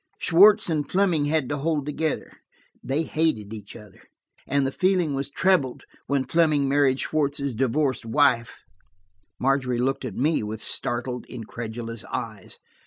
"Schwartz and Fleming had to hold together; they hated each other, and the feeling was trebled when Fleming married Schwartz's divorced wife." Margery looked at me with startled, incredulous eyes.